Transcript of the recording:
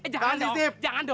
jangan dong jangan dong